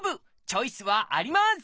チョイスはあります！